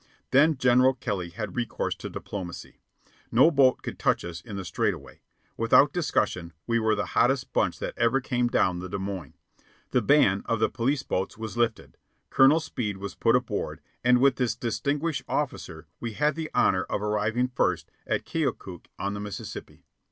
Then General Kelly had recourse to diplomacy. No boat could touch us in the straight away. Without discussion, we were the hottest bunch that ever came down the Des Moines. The ban of the police boats was lifted. Colonel Speed was put aboard, and with this distinguished officer we had the honor of arriving first at Keokuk on the Mississippi.